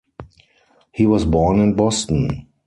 He was born in Boston.